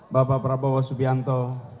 bapak prabowo subianto